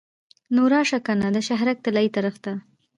نو راشه کنه د شهرک طلایې طرف ته.